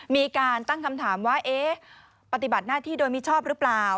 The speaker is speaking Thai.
มีการตั้งคำถามว่าเอ๊ะปฏิบัติหน้าที่โดยมิชอบหรือเปล่า